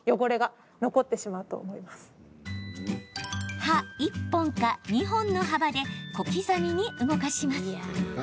歯１本か２本の幅で小刻みに動かします。